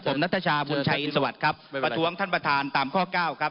ผมนัทชาบุญชัยอินสวัสดิ์ครับประท้วงท่านประธานตามข้อเก้าครับ